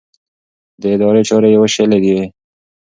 د ادارې چارې يې وېشلې وې.